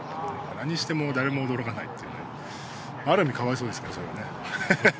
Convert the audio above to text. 何しても誰も驚かないっていうね、ある意味かわいそうですけどね、それはね。